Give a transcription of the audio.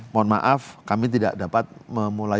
mohon maaf kami tidak dapat memulai